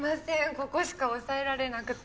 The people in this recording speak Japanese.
ここしか押さえられなくて。